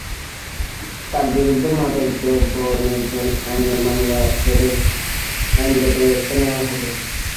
তাঁর বিরুদ্ধে মাদকদ্রব্য নিয়ন্ত্রণ আইনে মামলা করে আইনগত ব্যবস্থা নেওয়া হবে।